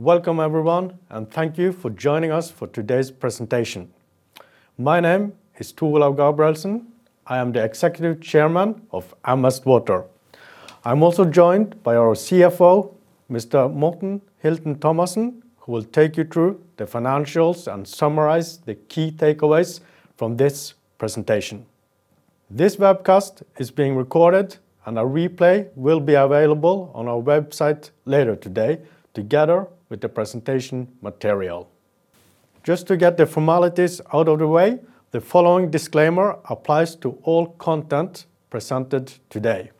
Welcome everyone, and thank you for joining us for today's presentation. My name is Tor Olav Gabrielsen. I am the Executive Chairman of M Vest Water. I'm also joined by our CFO, Mr. Morten Hilton Thomassen, who will take you through the financials and summarize the key takeaways from this presentation. This webcast is being recorded, and a replay will be available on our website later today, together with the presentation material. Just to get the formalities out of the way, the following disclaimer applies to all content presented today.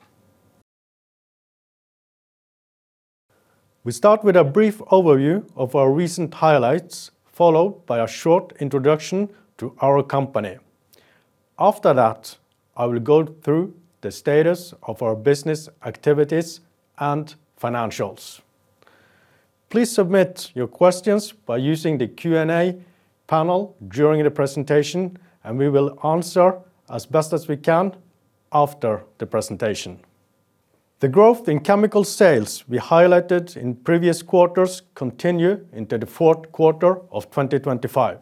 We start with a brief overview of our recent highlights, followed by a short introduction to our company. After that, I will go through the status of our business activities and financials. Please submit your questions by using the Q&A panel during the presentation, and we will answer as best as we can after the presentation. The growth in chemical sales we highlighted in previous quarters continue into the fourth quarter of 2025.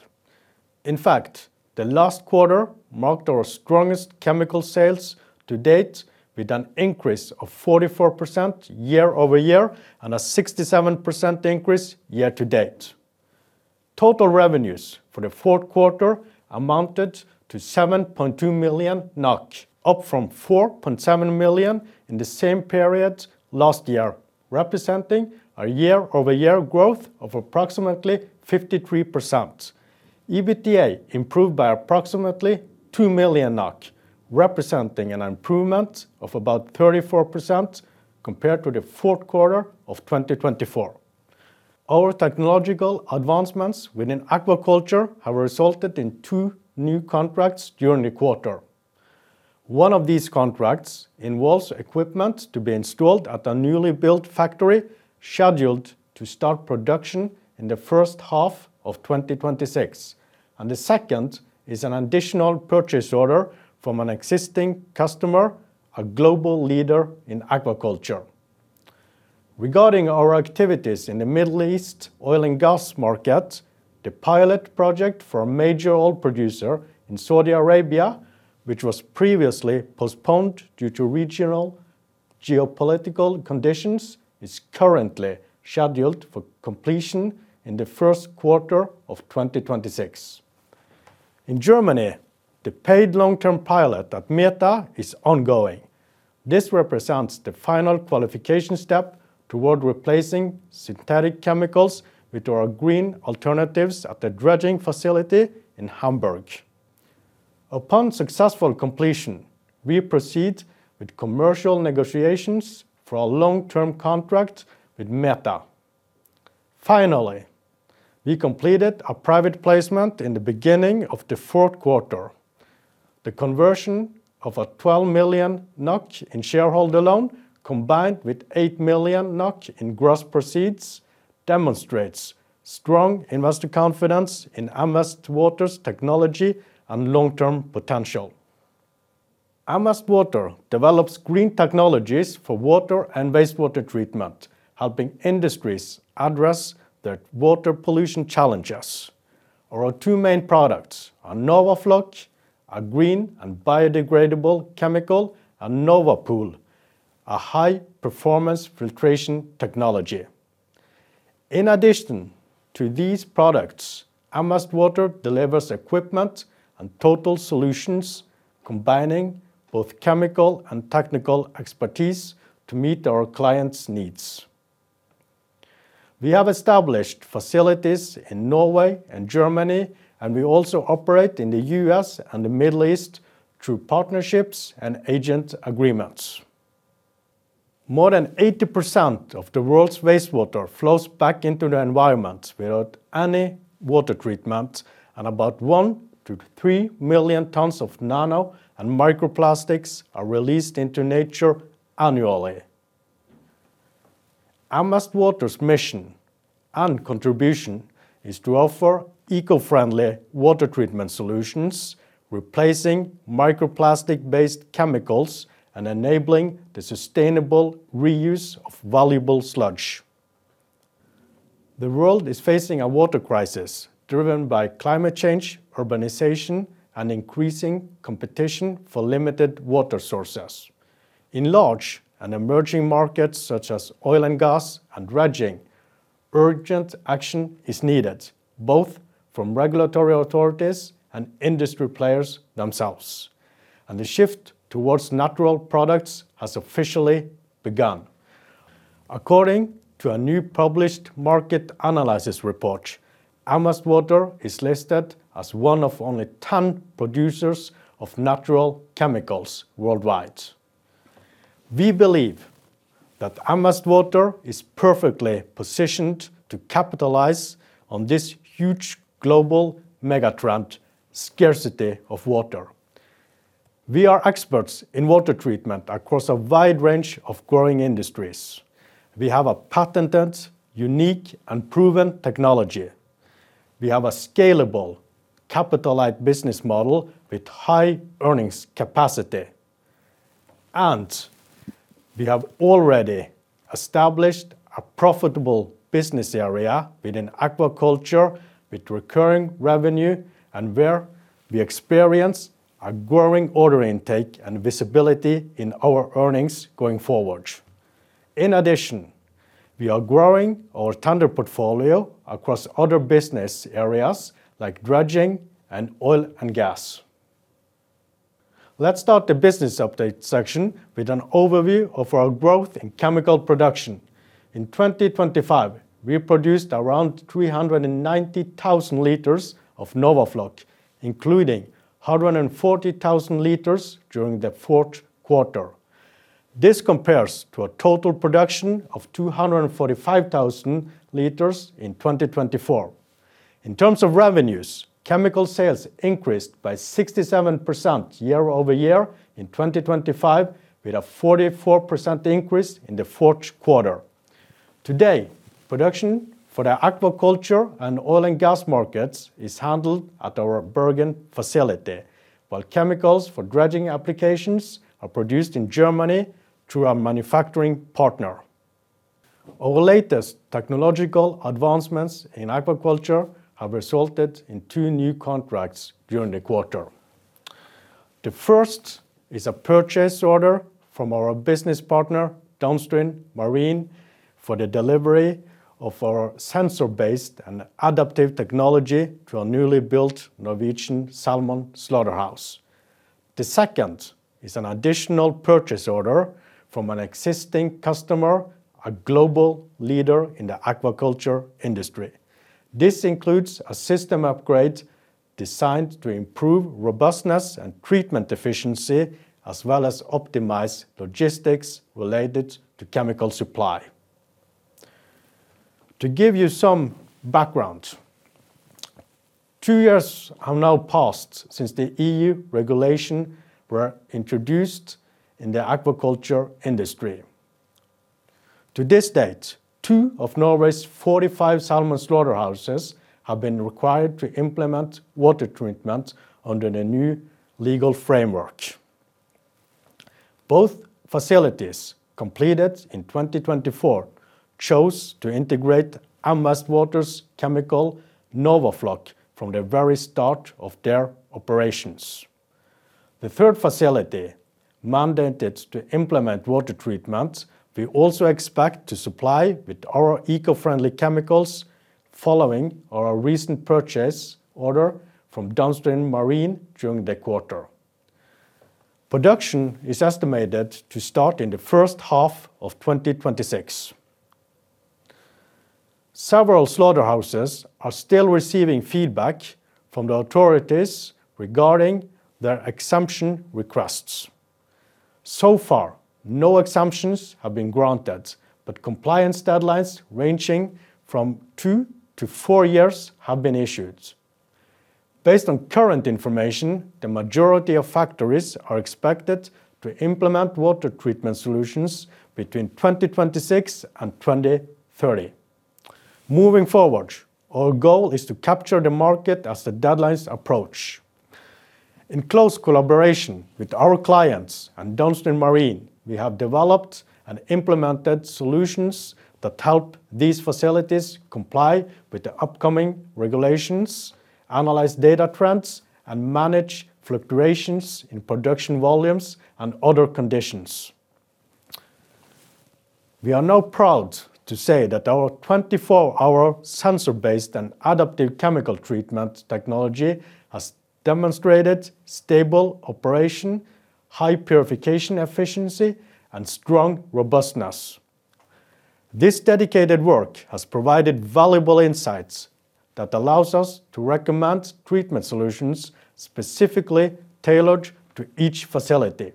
In fact, the last quarter marked our strongest chemical sales to date, with an increase of 44% year-over-year and a 67% increase year-to-date. Total revenues for the fourth quarter amounted to 7.2 million NOK, up from 4.7 million in the same period last year, representing a year-over-year growth of approximately 53%. EBITDA improved by approximately 2 million NOK, representing an improvement of about 34% compared to the fourth quarter of 2024. Our technological advancements within aquaculture have resulted in two new contracts during the quarter. One of these contracts involves equipment to be installed at a newly built factory, scheduled to start production in the first half of 2026, and the second is an additional purchase order from an existing customer, a global leader in aquaculture. Regarding our activities in the Middle East oil and gas market, the pilot project for a major oil producer in Saudi Arabia, which was previously postponed due to regional geopolitical conditions, is currently scheduled for completion in the first quarter of 2026. In Germany, the paid long-term pilot at METHA is ongoing. This represents the final qualification step toward replacing synthetic chemicals with our green alternatives at the dredging facility in Hamburg. Upon successful completion, we proceed with commercial negotiations for a long-term contract with METHA. Finally, we completed a private placement in the beginning of the fourth quarter. The conversion of 12 million NOK in shareholder loan, combined with 8 million NOK in gross proceeds, demonstrates strong investor confidence in M Vest Water's technology and long-term potential. M Vest Water develops green technologies for water and wastewater treatment, helping industries address their water pollution challenges. Our two main products are NORWAFLOC, a green and biodegradable chemical, and NORWAPOL, a high-performance filtration technology. In addition to these products, M Vest Water delivers equipment and total solutions, combining both chemical and technical expertise to meet our clients' needs. We have established facilities in Norway and Germany, and we also operate in the U.S. and the Middle East through partnerships and agent agreements. More than 80% of the world's wastewater flows back into the environment without any water treatment, and about 1-3 million tons of nano and microplastics are released into nature annually. M Vest Water's mission and contribution is to offer eco-friendly water treatment solutions, replacing microplastic-based chemicals and enabling the sustainable reuse of valuable sludge. The world is facing a water crisis driven by climate change, urbanization, and increasing competition for limited water sources. In large and emerging markets, such as oil and gas and dredging, urgent action is needed, both from regulatory authorities and industry players themselves, and the shift towards natural products has officially begun. According to a new published market analysis report, M Vest Water is listed as one of only 10 producers of natural chemicals worldwide. We believe that M Vest Water is perfectly positioned to capitalize on this huge global mega trend, scarcity of water. We are experts in water treatment across a wide range of growing industries. We have a patented, unique, and proven technology. We have a scalable, capital-light business model with high earnings capacity. We have already established a profitable business area within aquaculture, with recurring revenue, and where we experience a growing order intake and visibility in our earnings going forward. In addition, we are growing our tender portfolio across other business areas like dredging and oil and gas. Let's start the business update section with an overview of our growth in chemical production. In 2025, we produced around 390,000 liters of NORWAFLOC, including 140,000 L during the fourth quarter. This compares to a total production of 245,000 L in 2024. In terms of revenues, chemical sales increased by 67% year-over-year in 2025, with a 44% increase in the fourth quarter. Today, production for the aquaculture and oil and gas markets is handled at our Bergen facility, while chemicals for dredging applications are produced in Germany through our manufacturing partner. Our latest technological advancements in aquaculture have resulted in two new contracts during the quarter. The first is a purchase order from our business partner, Downstream Marine, for the delivery of our sensor-based and adaptive technology to a newly built Norwegian salmon slaughterhouse. The second is an additional purchase order from an existing customer, a global leader in the aquaculture industry. This includes a system upgrade designed to improve robustness and treatment efficiency, as well as optimize logistics related to chemical supply. To give you some background, two years have now passed since the EU regulation were introduced in the aquaculture industry. To this date, two of Norway's 45 salmon slaughterhouses have been required to implement water treatment under the new legal framework. Both facilities, completed in 2024, chose to integrate M Vest Water's chemical, NORWAFLOC, from the very start of their operations. The third facility, mandated to implement water treatment, we also expect to supply with our eco-friendly chemicals following our recent purchase order from Downstream Marine during the quarter. Production is estimated to start in the first half of 2026. Several slaughterhouses are still receiving feedback from the authorities regarding their exemption requests. So far, no exemptions have been granted, but compliance deadlines ranging from two-four years have been issued. Based on current information, the majority of factories are expected to implement water treatment solutions between 2026 and 2030. Moving forward, our goal is to capture the market as the deadlines approach. In close collaboration with our clients and Downstream Marine, we have developed and implemented solutions that help these facilities comply with the upcoming regulations, analyze data trends, and manage fluctuations in production volumes and other conditions. We are now proud to say that our 24-hour sensor-based and adaptive chemical treatment technology has demonstrated stable operation, high purification efficiency, and strong robustness. This dedicated work has provided valuable insights that allows us to recommend treatment solutions specifically tailored to each facility.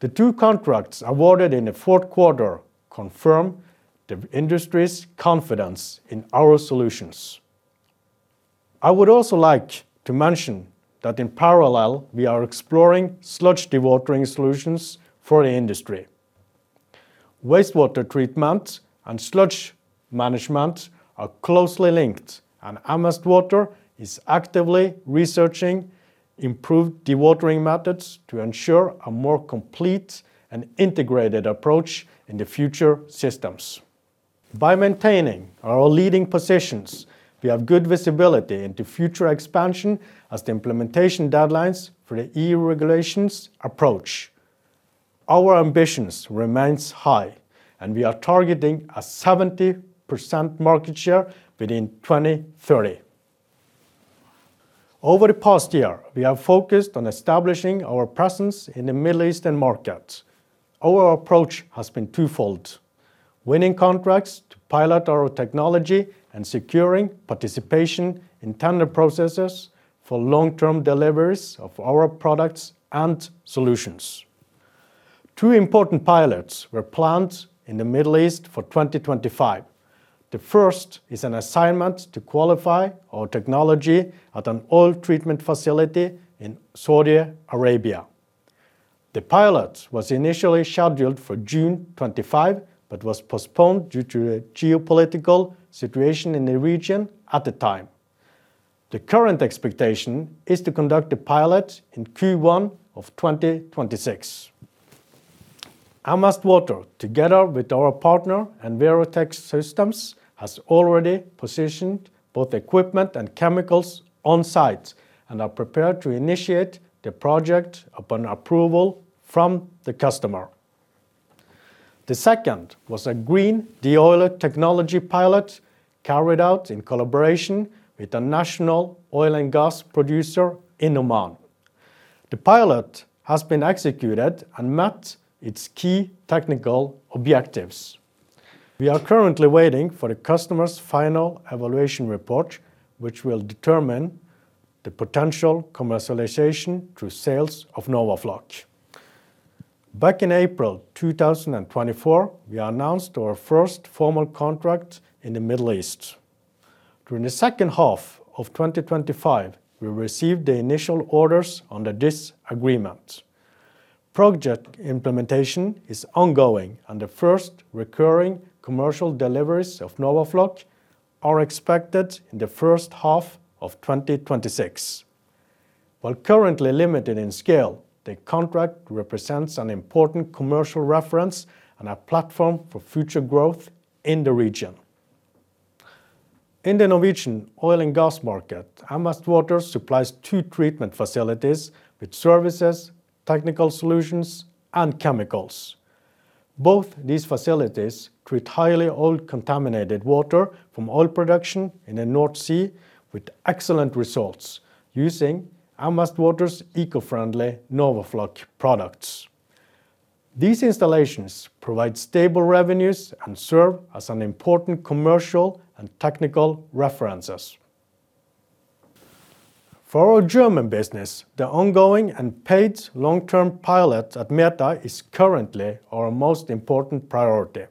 The two contracts awarded in the fourth quarter confirm the industry's confidence in our solutions. I would also like to mention that in parallel, we are exploring sludge dewatering solutions for the industry. Wastewater treatment and sludge management are closely linked, and M Vest Water is actively researching improved dewatering methods to ensure a more complete and integrated approach in the future systems. By maintaining our leading positions, we have good visibility into future expansion as the implementation deadlines for the EU regulations approach. Our ambitions remains high, and we are targeting a 70% market share within 2030. Over the past year, we have focused on establishing our presence in the Middle Eastern markets. Our approach has been twofold: winning contracts to pilot our technology and securing participation in tender processes for long-term deliveries of our products and solutions. Two important pilots were planned in the Middle East for 2025. The first is an assignment to qualify our technology at an oil treatment facility in Saudi Arabia. The pilot was initially scheduled for June 2025, but was postponed due to the geopolitical situation in the region at the time. The current expectation is to conduct a pilot in Q1 of 2026. M Vest Water, together with our partner EnviroTech Systems, has already positioned both equipment and chemicals on site and are prepared to initiate the project upon approval from the customer. The second was a Green De-oiler Technology pilot carried out in collaboration with a national oil and gas producer in Oman. The pilot has been executed and met its key technical objectives. We are currently waiting for the customer's final evaluation report, which will determine the potential commercialization through sales of NORWAFLOC. Back in April 2024, we announced our first formal contract in the Middle East. During the second half of 2025, we received the initial orders under this agreement. Project implementation is ongoing, and the first recurring commercial deliveries of NORWAFLOC are expected in the first half of 2026. While currently limited in scale, the contract represents an important commercial reference and a platform for future growth in the region. In the Norwegian oil and gas market, M Vest Water supplies two treatment facilities with services, technical solutions, and chemicals. Both these facilities treat highly oil-contaminated water from oil production in the North Sea with excellent results using M Vest Water's eco-friendly NORWAFLOC products. These installations provide stable revenues and serve as an important commercial and technical references. For our German business, the ongoing and paid long-term pilot at METHA is currently our most important priority.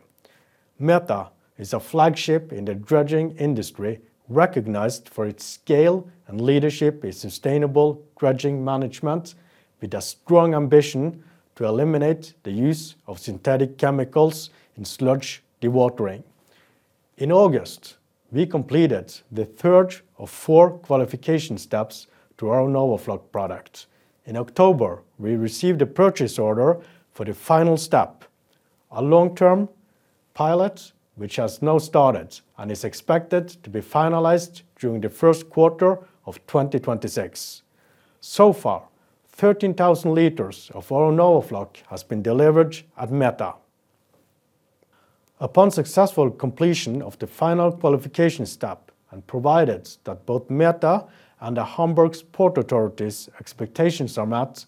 METHA is a flagship in the dredging industry, recognized for its scale and leadership in sustainable dredging management, with a strong ambition to eliminate the use of synthetic chemicals in sludge dewatering. In August, we completed the third of four qualification steps to our NORWAFLOC product. In October, we received a purchase order for the final step, a long-term pilot, which has now started and is expected to be finalized during the first quarter of 2026. So far, 13,000 L of our NORWAFLOC has been delivered at METHA. Upon successful completion of the final qualification step, and provided that both METHA and the Hamburg Port Authority's expectations are met,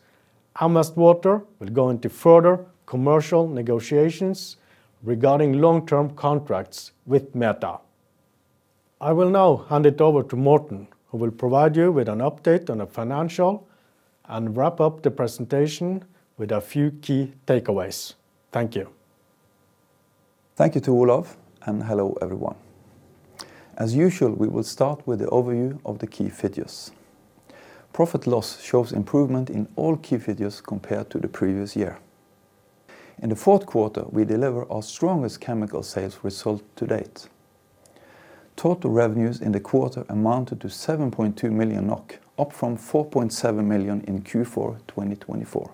M Vest Water will go into further commercial negotiations regarding long-term contracts with METHA. I will now hand it over to Morten, who will provide you with an update on the financial and wrap up the presentation with a few key takeaways. Thank you. Thank you to Tor Olav, and hello, everyone. As usual, we will start with the overview of the key figures. P&L shows improvement in all key figures compared to the previous year. In the fourth quarter, we deliver our strongest chemical sales result to date. Total revenues in the quarter amounted to 7.2 million NOK, up from 4.7 million in Q4 2024.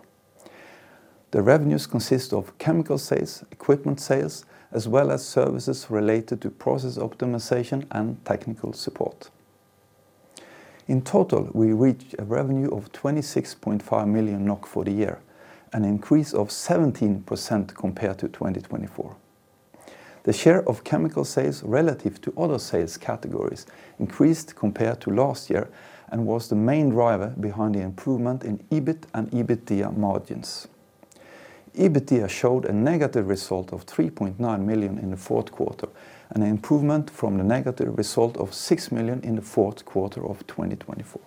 The revenues consist of chemical sales, equipment sales, as well as services related to process optimization and technical support. In total, we reached a revenue of 26.5 million NOK for the year, an increase of 17% compared to 2024. The share of chemical sales relative to other sales categories increased compared to last year and was the main driver behind the improvement in EBIT and EBITDA margins. EBITDA showed a negative result of 3.9 million in the fourth quarter, and an improvement from the negative result of 6 million in the fourth quarter of 2024.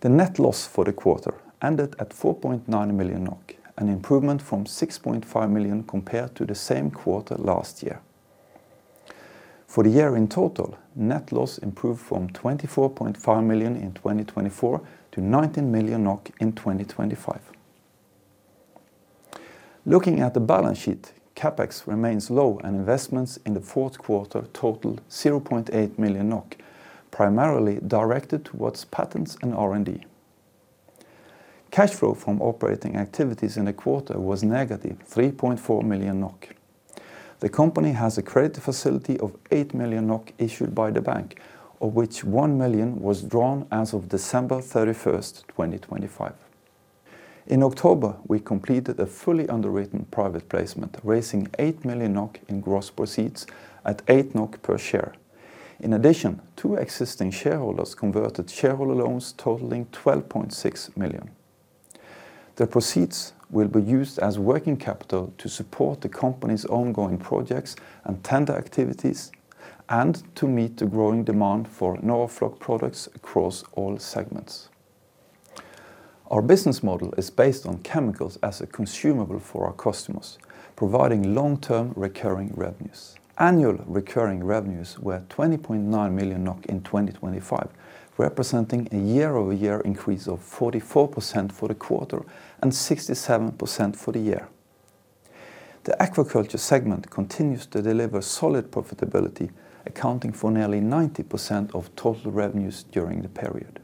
The net loss for the quarter ended at 4.9 million NOK, an improvement from 6.5 million compared to the same quarter last year. For the year in total, net loss improved from 24.5 million in 2024 to 19 million NOK in 2025. Looking at the balance sheet, CapEx remains low, and investments in the fourth quarter totaled 0.8 million NOK, primarily directed towards patents and R&D. Cash flow from operating activities in the quarter was negative 3.4 million NOK. The company has a credit facility of 8 million NOK issued by the bank, of which 1 million was drawn as of December 31, 2025. In October, we completed a fully underwritten private placement, raising 8 million NOK in gross proceeds at 8 NOK per share. In addition, two existing shareholders converted shareholder loans totaling 12.6 million. The proceeds will be used as working capital to support the company's ongoing projects and tender activities, and to meet the growing demand for NORWAFLOC products across all segments. Our business model is based on chemicals as a consumable for our customers, providing long-term recurring revenues. Annual recurring revenues were 20.9 million NOK in 2025, representing a year-over-year increase of 44% for the quarter and 67% for the year. The aquaculture segment continues to deliver solid profitability, accounting for nearly 90% of total revenues during the period.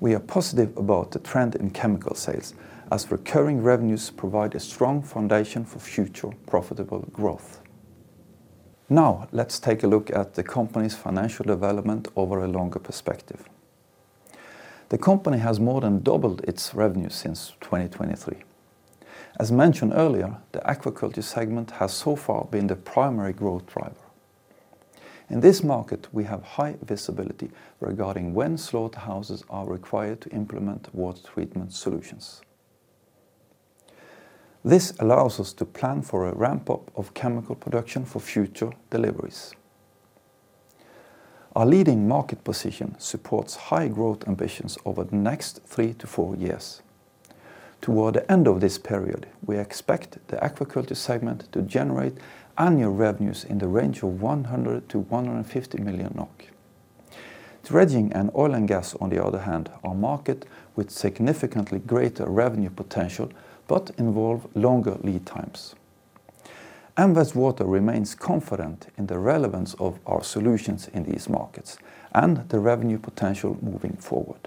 We are positive about the trend in chemical sales, as recurring revenues provide a strong foundation for future profitable growth. Now, let's take a look at the company's financial development over a longer perspective. The company has more than doubled its revenue since 2023. As mentioned earlier, the aquaculture segment has so far been the primary growth driver. In this market, we have high visibility regarding when slaughterhouses are required to implement water treatment solutions. This allows us to plan for a ramp-up of chemical production for future deliveries. Our leading market position supports high growth ambitions over the next three-four years. Toward the end of this period, we expect the aquaculture segment to generate annual revenues in the range of 100 million-150 million NOK. Dredging and oil and gas, on the other hand, are markets with significantly greater revenue potential, but involve longer lead times. M Vest Water remains confident in the relevance of our solutions in these markets and the revenue potential moving forward.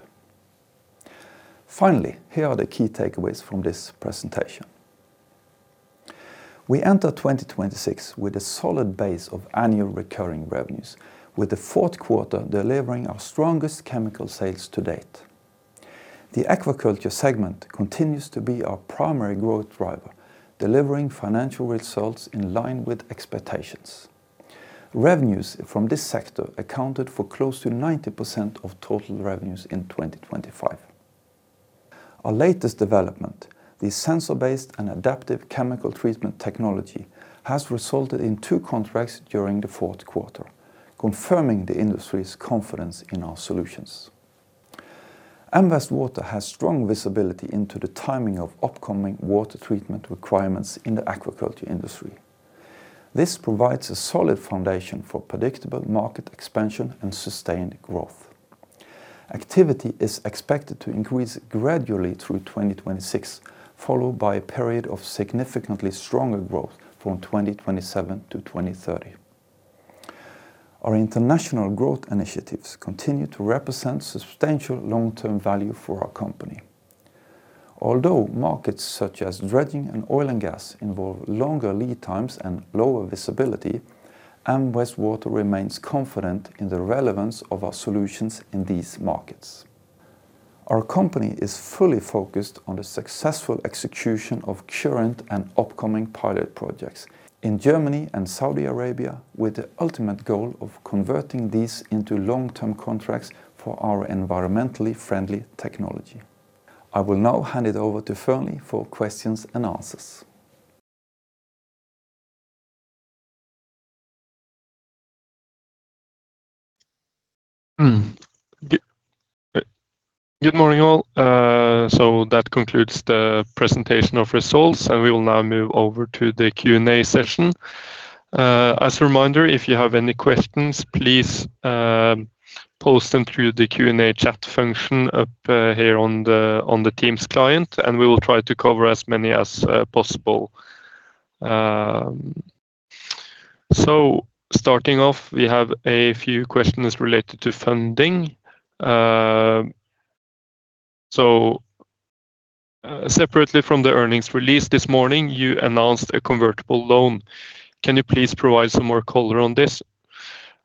Finally, here are the key takeaways from this presentation. We enter 2026 with a solid base of annual recurring revenues, with the fourth quarter delivering our strongest chemical sales to date. The aquaculture segment continues to be our primary growth driver, delivering financial results in line with expectations. Revenues from this sector accounted for close to 90% of total revenues in 2025. Our latest development, the sensor-based and adaptive chemical treatment technology, has resulted in two contracts during the fourth quarter, confirming the industry's confidence in our solutions. M Vest Water has strong visibility into the timing of upcoming water treatment requirements in the aquaculture industry. This provides a solid foundation for predictable market expansion and sustained growth. Activity is expected to increase gradually through 2026, followed by a period of significantly stronger growth from 2027 to 2030. Our international growth initiatives continue to represent substantial long-term value for our company. Although markets such as dredging and oil and gas involve longer lead times and lower visibility, M Vest Water remains confident in the relevance of our solutions in these markets. Our company is fully focused on the successful execution of current and upcoming pilot projects in Germany and Saudi Arabia, with the ultimate goal of converting these into long-term contracts for our environmentally friendly technology. I will now hand it over to Fearnley for questions and answers. Good morning, all. So that concludes the presentation of results, and we will now move over to the Q&A session. As a reminder, if you have any questions, please post them through the Q&A chat function here on the Teams client, and we will try to cover as many as possible. So starting off, we have a few questions related to funding. Separately from the earnings release this morning, you announced a convertible loan. Can you please provide some more color on this?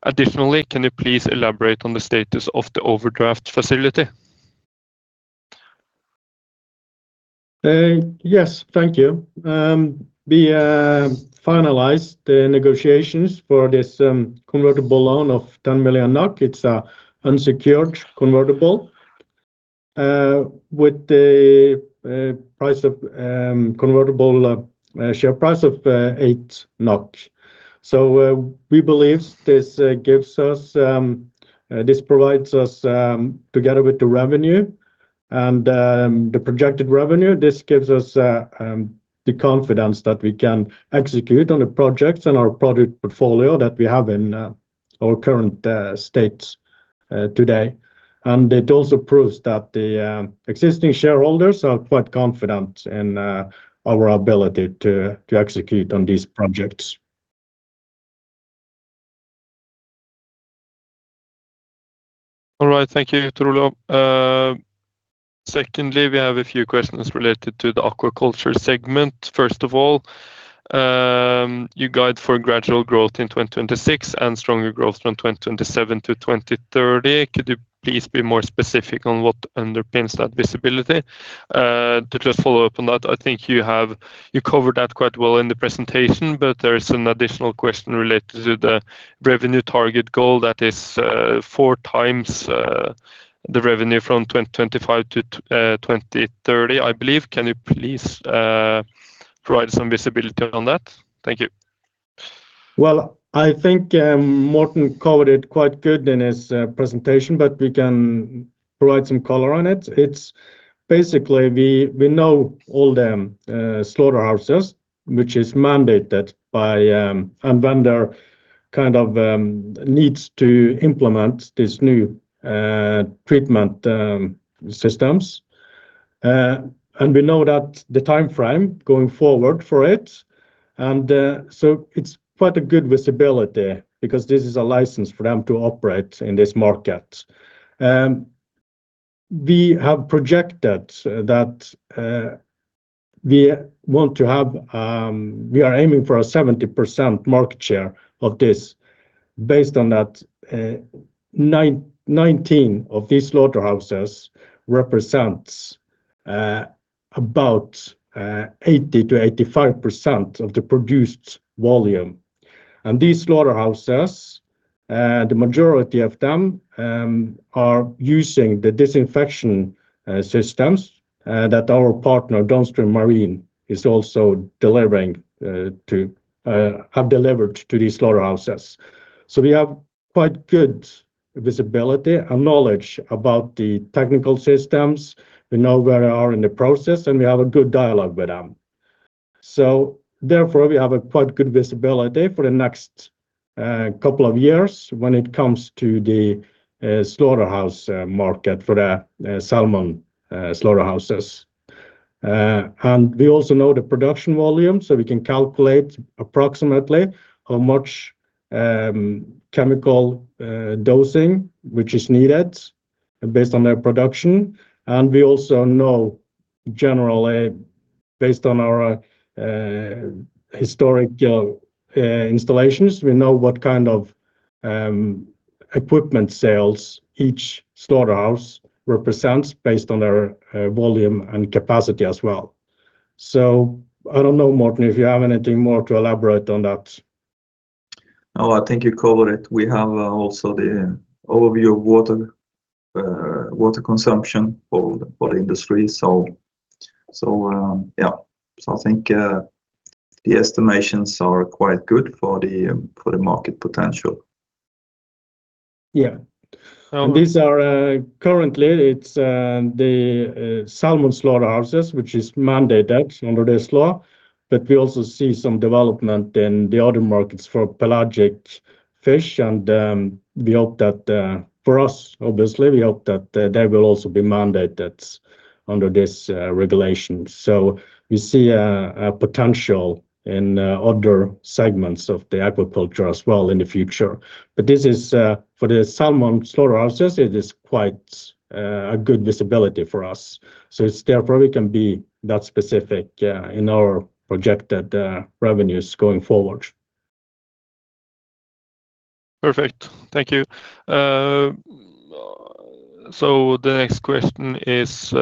Additionally, can you please elaborate on the status of the overdraft facility? Yes, thank you. We finalized the negotiations for this convertible loan of 10 million NOK. It's a unsecured convertible with the price of convertible share price of 8 NOK. So, we believe this gives us this provides us... Together with the revenue and the projected revenue, this gives us the confidence that we can execute on the projects and our product portfolio that we have in our current states today. And it also proves that the existing shareholders are quite confident in our ability to execute on these projects. All right, thank you, Tor Olav. Secondly, we have a few questions related to the aquaculture segment. First of all, you guide for gradual growth in 2026 and stronger growth from 2027 to 2030. Could you please be more specific on what underpins that visibility? To just follow up on that, I think you covered that quite well in the presentation, but there is an additional question related to the revenue target goal. That is, 4x the revenue from 2025 to 2030, I believe. Can you please provide some visibility on that? Thank you. Well, I think Morten covered it quite good in his presentation, but we can provide some color on it. It's basically we know all the slaughterhouses, which is mandated by and kind of needs to implement this new treatment systems. And we know that the time frame going forward for it, and so it's quite a good visibility because this is a license for them to operate in this market. We have projected that we are aiming for a 70% market share of this, based on that 19 of these slaughterhouses represents about 80%-85% of the produced volume. These slaughterhouses, the majority of them, are using the disinfection systems that our partner, Downstream Marine, is also delivering to have delivered to these slaughterhouses. So we have quite good visibility and knowledge about the technical systems. We know where they are in the process, and we have a good dialogue with them. So therefore, we have quite good visibility for the next couple of years when it comes to the slaughterhouse market for the salmon slaughterhouses. And we also know the production volume, so we can calculate approximately how much chemical dosing, which is needed based on their production. And we also know generally, based on our historical installations, we know what kind of equipment sales each slaughterhouse represents based on their volume and capacity as well. So I don't know, Morten, if you have anything more to elaborate on that? No, I think you covered it. We have also the overview of water water consumption for the industry. So yeah. So I think the estimations are quite good for the market potential. Yeah. Um- These are currently it's the salmon slaughterhouses, which is mandated under this law, but we also see some development in the other markets for pelagic fish. And we hope that for us, obviously, we hope that they will also be mandated under this regulation. So we see a potential in other segments of the aquaculture as well in the future. But this is for the salmon slaughterhouses, it is quite a good visibility for us. So it's there probably can be that specific in our projected revenues going forward. Perfect. Thank you. So the next question is,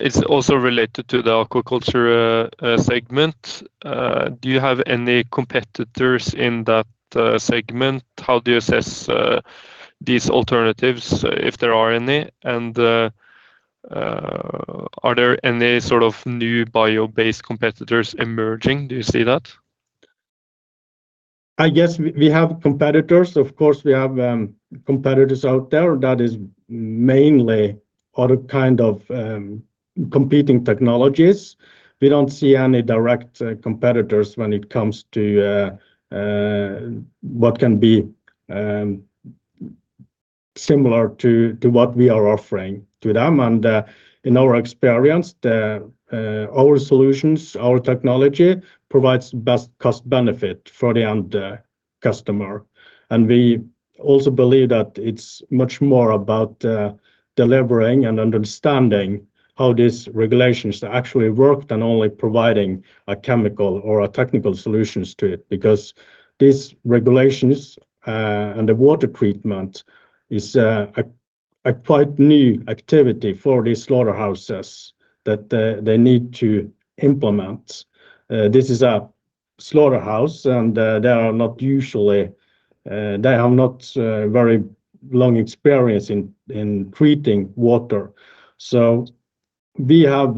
is also related to the aquaculture segment. Do you have any competitors in that segment? How do you assess these alternatives, if there are any, and are there any sort of new bio-based competitors emerging? Do you see that? I guess we have competitors, of course, we have competitors out there that is mainly other kind of competing technologies. We don't see any direct competitors when it comes to what can be similar to what we are offering to them. In our experience our solutions, our technology provides best cost benefit for the end customer. We also believe that it's much more about delivering and understanding how these regulations actually work than only providing a chemical or a technical solutions to it, because these regulations and the water treatment is a quite new activity for these slaughterhouses that they need to implement. This is a slaughterhouse, and they are not usually they have not very long experience in treating water. So we have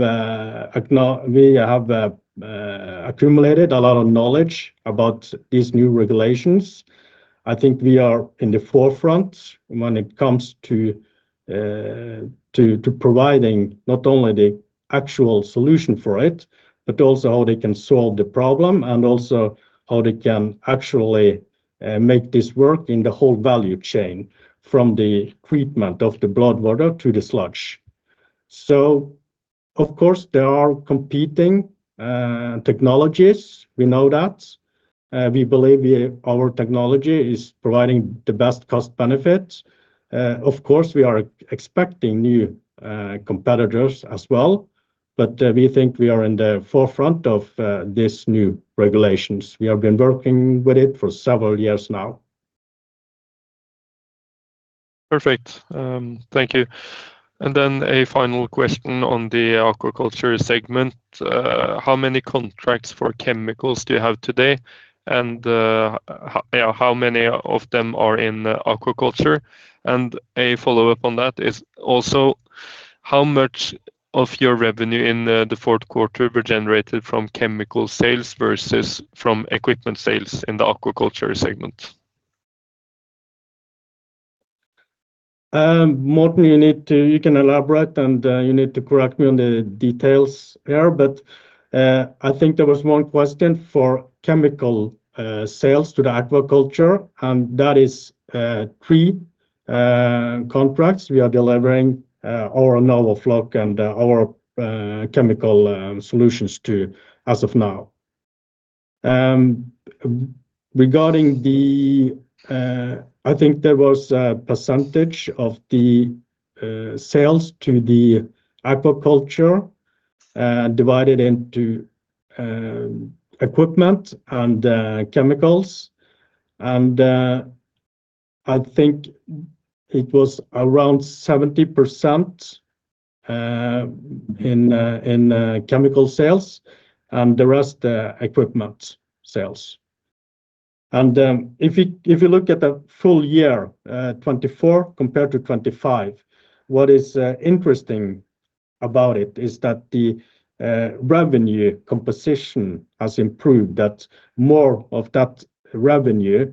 accumulated a lot of knowledge about these new regulations. I think we are in the forefront when it comes to providing not only the actual solution for it, but also how they can solve the problem, and also how they can actually make this work in the whole value chain from the treatment of the blood water to the sludge. So of course, there are competing technologies. We know that. We believe our technology is providing the best cost benefit. Of course, we are expecting new competitors as well, but we think we are in the forefront of this new regulations. We have been working with it for several years now. Perfect. Thank you. And then a final question on the aquaculture segment. How many contracts for chemicals do you have today, and how many of them are in aquaculture? And a follow-up on that is also, how much of your revenue in the fourth quarter were generated from chemical sales versus from equipment sales in the aquaculture segment? ... Morten, you can elaborate, and you need to correct me on the details here, but I think there was one question for chemical sales to the aquaculture, and that is three contracts. We are delivering our NORWAFLOC and our chemical solutions as of now. Regarding the, I think there was a percentage of the sales to the aquaculture divided into equipment and chemicals, and I think it was around 70% in chemical sales, and the rest equipment sales. If you look at the full year 2024 compared to 2025, what is interesting about it is that the revenue composition has improved. That more of that revenue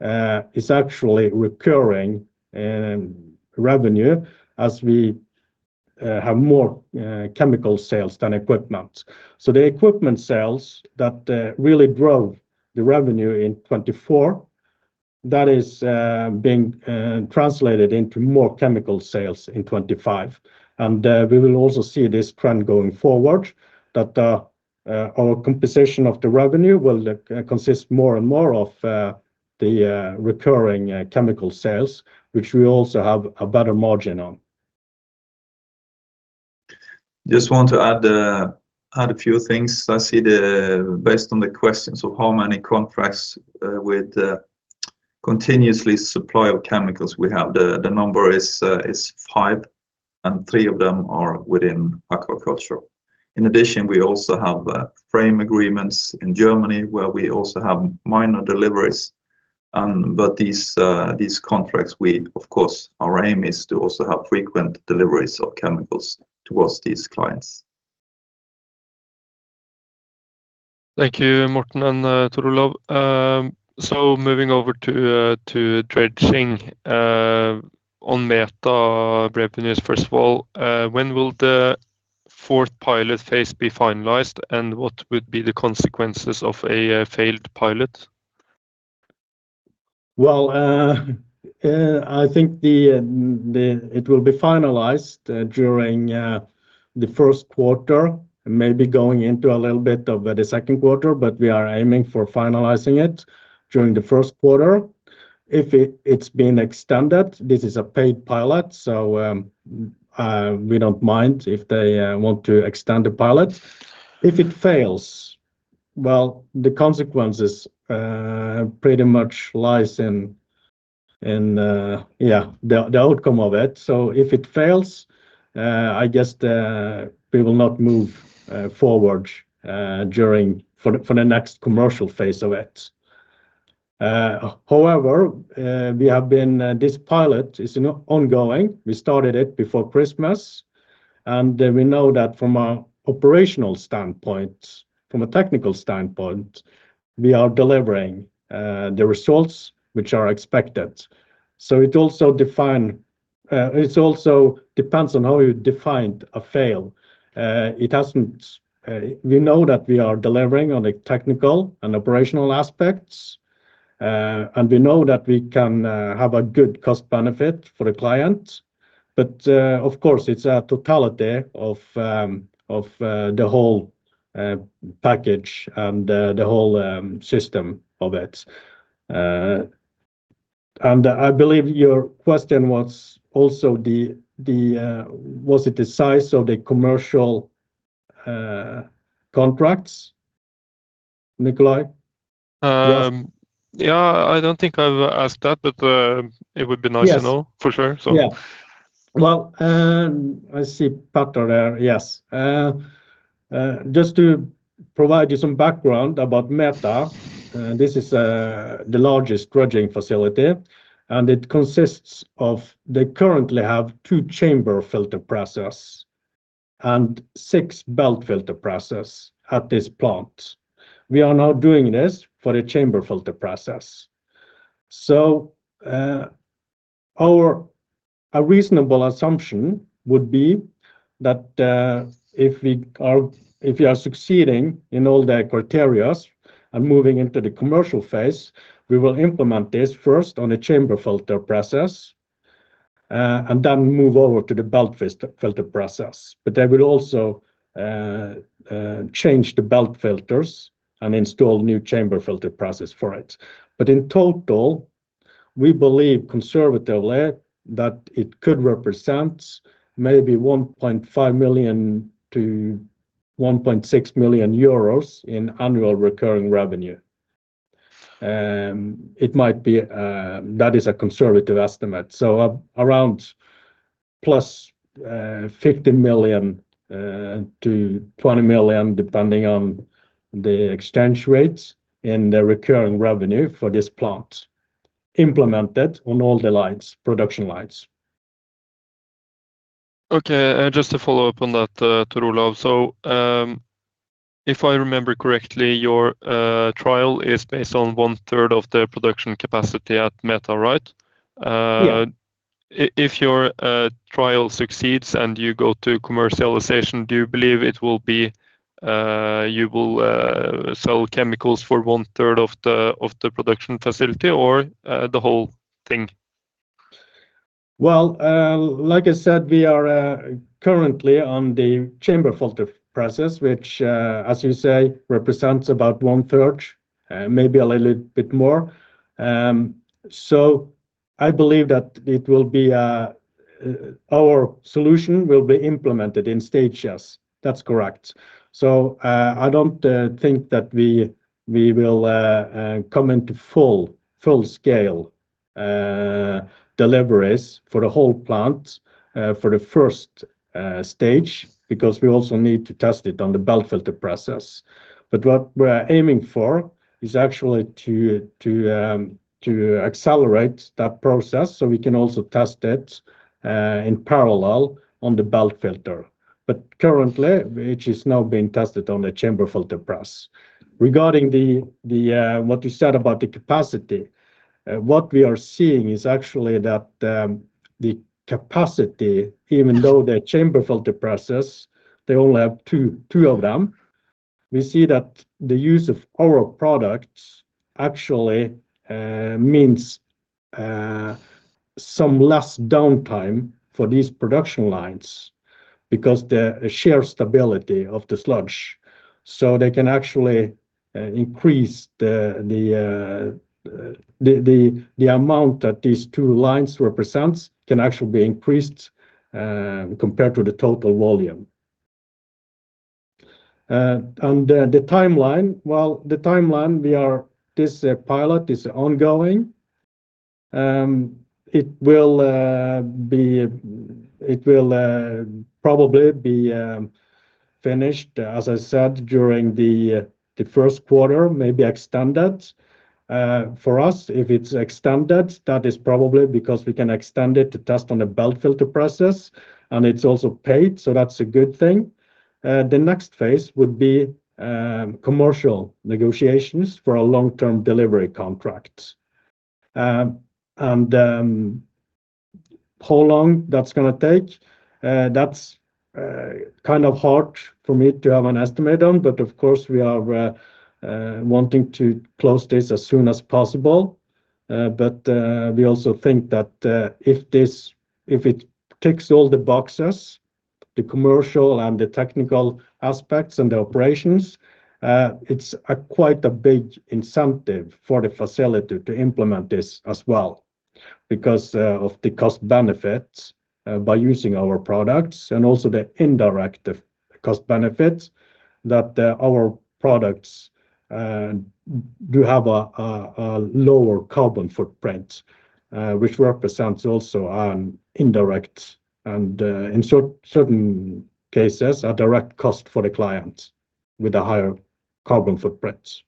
is actually recurring revenue as we have more chemical sales than equipment. So the equipment sales that really drove the revenue in 2024, that is being translated into more chemical sales in 2025. And we will also see this trend going forward, that our composition of the revenue will consist more and more of the recurring chemical sales, which we also have a better margin on. Just want to add a few things. Based on the questions of how many contracts with continuously supply of chemicals we have, the number is five, and three of them are within aquaculture. In addition, we also have frame agreements in Germany, where we also have minor deliveries, but these contracts we, of course, our aim is to also have frequent deliveries of chemicals towards these clients. Thank you, Morten and, Tor Olav. So moving over to dredging on METHA revenues, first of all, when will the fourth pilot phase be finalized, and what would be the consequences of a failed pilot? Well, I think it will be finalized during the first quarter, maybe going into a little bit of the second quarter, but we are aiming for finalizing it during the first quarter. If it's been extended, this is a paid pilot, so we don't mind if they want to extend the pilot. If it fails, well, the consequences pretty much lies in yeah, the outcome of it. So if it fails, I guess, we will not move forward for the next commercial phase of it. However, this pilot is, you know, ongoing. We started it before Christmas, and we know that from a operational standpoint, from a technical standpoint, we are delivering the results which are expected. So it also depends on how you define a fail. It hasn't; we know that we are delivering on the technical and operational aspects, and we know that we can have a good cost benefit for the client, but of course, it's a totality of the whole package and the whole system of it. And I believe your question was also, was it the size of the commercial contracts, Nicolai? Um- Yes. Yeah, I don't think I've asked that, but it would be nice- Yes... to know for sure. So. Yeah. Well, and I see pattern there. Yes. Just to provide you some background about METHA, this is the largest dredging facility, and it consists of—they currently have two chamber filter presses and six belt filter presses at this plant. We are now doing this for the chamber filter press. So, our—a reasonable assumption would be that, if we are succeeding in all the criteria and moving into the commercial phase, we will implement this first on a chamber filter press, and then move over to the belt filter press. But they will also change the belt filters and install new chamber filter presses for it. But in total, we believe conservatively that it could represent maybe 1.5 million-1.6 million euros in annual recurring revenue. It might be that is a conservative estimate, so around plus NOK 15 million-NOK 20 million, depending on the exchange rates and the recurring revenue for this plant, implemented on all the lines, production lines. ... Okay, and just to follow up on that, to Tor Olav. So, if I remember correctly, your trial is based on one-third of the production capacity at METHA, right? Yeah. If your trial succeeds and you go to commercialization, do you believe it will be you will sell chemicals for one-third of the production facility or the whole thing? Well, like I said, we are currently on the chamber filter press, which, as you say, represents about one-third, maybe a little bit more. So I believe that it will be our solution will be implemented in stages. That's correct. So, I don't think that we will come into full scale deliveries for the whole plant for the first stage, because we also need to test it on the belt filter press. But what we're aiming for is actually to accelerate that process, so we can also test it in parallel on the belt filter press. But currently, it is now being tested on a chamber filter press. Regarding what you said about the capacity, what we are seeing is actually that the capacity, even though the chamber filter press, they only have two of them, we see that the use of our products actually means some less downtime for these production lines because the shear stability of the sludge. So they can actually increase the amount that these two lines represents can actually be increased compared to the total volume. Well, the timeline we are—this pilot is ongoing. It will be, it will probably be finished, as I said, during the first quarter, maybe extended. For us, if it's extended, that is probably because we can extend it to test on the belt filter process, and it's also paid, so that's a good thing. The next phase would be commercial negotiations for a long-term delivery contract. How long that's going to take? That's kind of hard for me to have an estimate on, but of course, we are wanting to close this as soon as possible. But, we also think that, if this, if it ticks all the boxes, the commercial and the technical aspects and the operations, it's quite a big incentive for the facility to implement this as well, because, of the cost benefits, by using our products and also the indirect cost benefits that, our products, do have a lower carbon footprint, which represents also an indirect and, in certain cases, a direct cost for the client with a higher carbon footprint.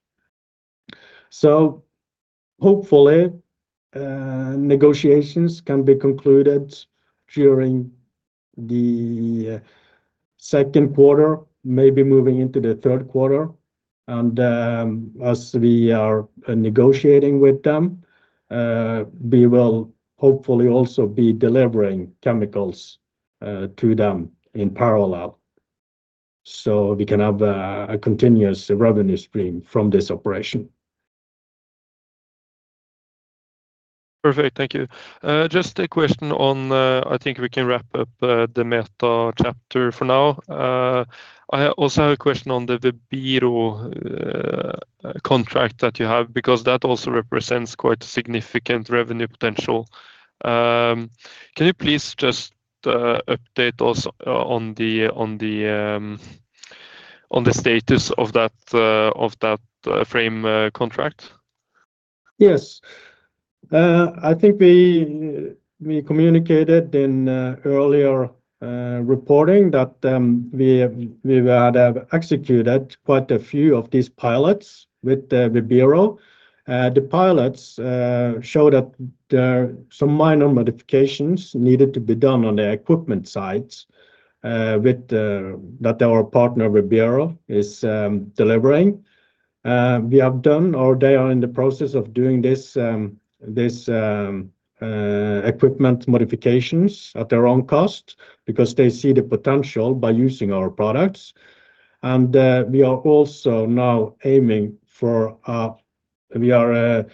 So hopefully, negotiations can be concluded during the second quarter, maybe moving into the third quarter. And, as we are negotiating with them, we will hopefully also be delivering chemicals, to them in parallel, so we can have a continuous revenue stream from this operation. Perfect. Thank you. Just a question on... I think we can wrap up the METHA chapter for now. I also have a question on the VEBIRO contract that you have, because that also represents quite a significant revenue potential. Can you please just update us on the status of that frame contract? Yes. I think we communicated in earlier reporting that we had executed quite a few of these pilots with the VEBIRO. The pilots showed that there are some minor modifications needed to be done on the equipment sides with that our partner VEBIRO is delivering. We have done, or they are in the process of doing this equipment modifications at their own cost because they see the potential by using our products. And we are also now aiming for we are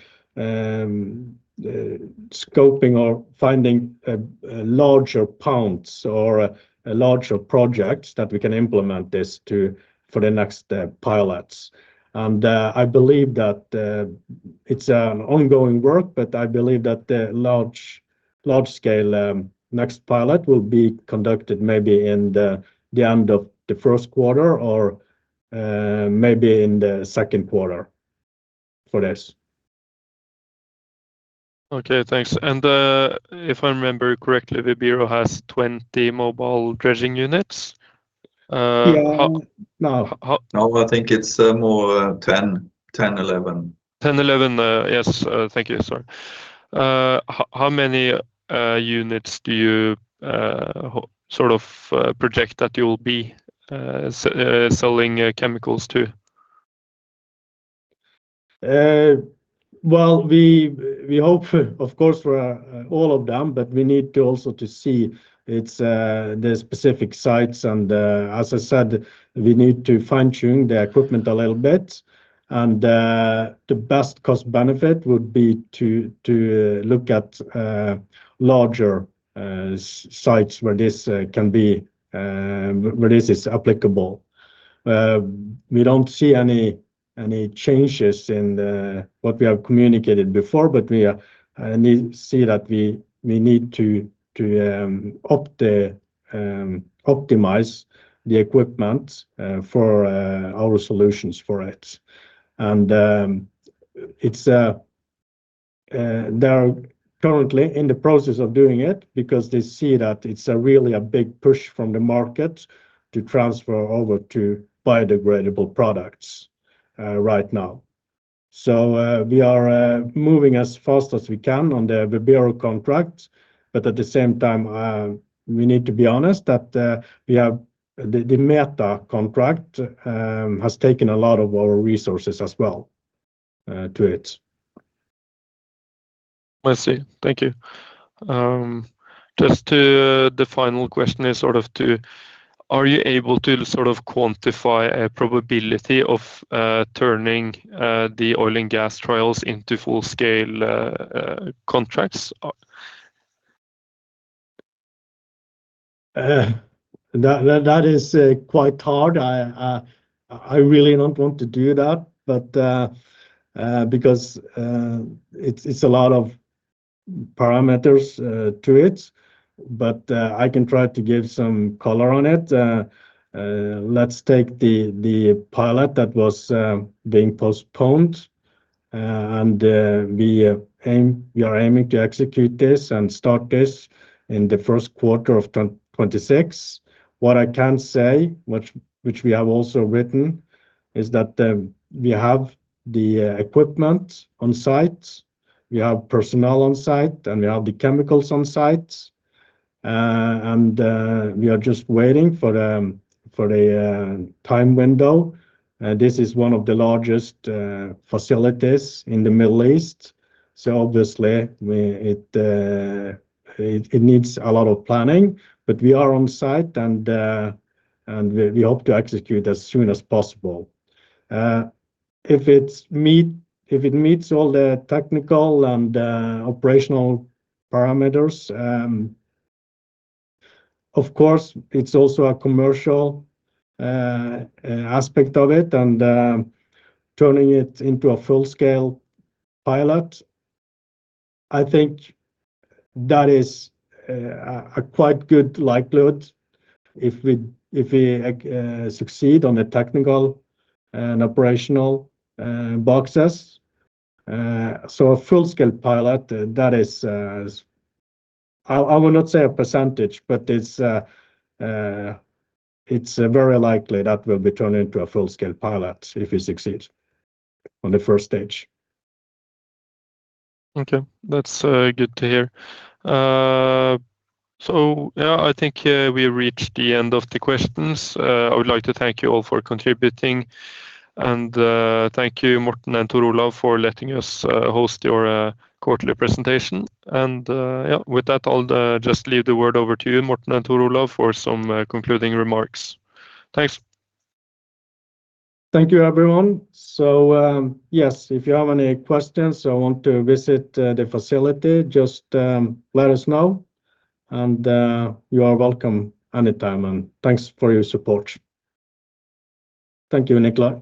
scoping or finding a larger ponds or a larger project that we can implement this to for the next pilots. And, I believe that it's an ongoing work, but I believe that the large-scale next pilot will be conducted maybe in the end of the first quarter or maybe in the second quarter for this. Okay, thanks. If I remember correctly, VEBIRO has 20 mobile dredging units? ... Yeah. No. No, I think it's more 10, 10, 11. 10, 11. Yes, thank you, sorry. How many units do you sort of project that you will be selling chemicals to? Well, we hope, of course, for all of them, but we need to also to see it's the specific sites. As I said, we need to fine-tune the equipment a little bit. The best cost benefit would be to look at larger sites where this can be where this is applicable. We don't see any changes in what we have communicated before, but we need to see that we need to optimize the equipment for our solutions for it. It's they are currently in the process of doing it because they see that it's really a big push from the market to transfer over to biodegradable products right now. So, we are moving as fast as we can on the VEBIRO contract, but at the same time, we need to be honest that the METHA contract has taken a lot of our resources as well to it. I see. Thank you. Just to the final question is sort of to... Are you able to sort of quantify a probability of turning the oil and gas trials into full-scale contracts? That is quite hard. I really don't want to do that, but because it's a lot of parameters to it, but I can try to give some color on it. Let's take the pilot that was being postponed. We are aiming to execute this and start this in the first quarter of 2026. What I can say, which we have also written, is that we have the equipment on site, we have personnel on site, and we have the chemicals on site. We are just waiting for the time window. This is one of the largest facilities in the Middle East, so obviously, it needs a lot of planning, but we are on site and we hope to execute as soon as possible. If it meets all the technical and operational parameters, of course, it's also a commercial aspect of it, and turning it into a full-scale pilot, I think that is a quite good likelihood if we succeed on the technical and operational boxes. So a full-scale pilot, that is, I will not say a percentage, but it's very likely that will be turned into a full-scale pilot if we succeed on the first stage. Okay. That's good to hear. So, yeah, I think we reached the end of the questions. I would like to thank you all for contributing, and thank you, Morten and Tor Olav, for letting us host your quarterly presentation. And yeah, with that, I'll just leave the word over to you, Morten and Tor Olav, for some concluding remarks. Thanks. Thank you, everyone. So, yes, if you have any questions or want to visit the facility, just let us know, and you are welcome anytime, and thanks for your support. Thank you, Nicolai.